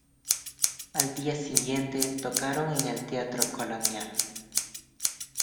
Al día siguiente tocaron en el Teatro Colonial.